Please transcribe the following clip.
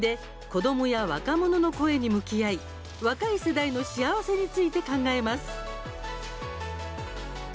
子どもや若者の声に向き合い若い世代の幸せについて考えます。